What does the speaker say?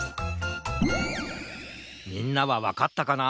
みんなはわかったかな？